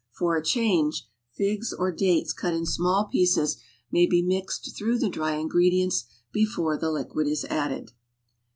For a change, figs or dates cut in small pieces may be mixed through the dry ingredients before the liquid is added.